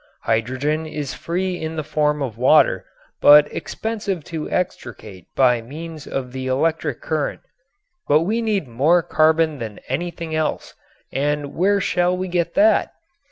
Hydrogen is free in the form of water but expensive to extricate by means of the electric current. But we need more carbon than anything else and where shall we get that?